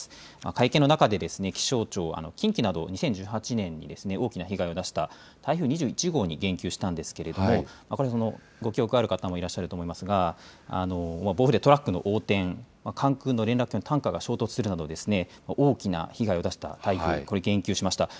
会見の中で気象庁、近畿など２０１８年に大きな被害を出した台風２１号に言及したんですけれどもご記憶がある方もいると思いますが、暴風でトラックの横転、関空の連絡橋にタンカーが衝突するなど大きな被害を出した台風に言及しました。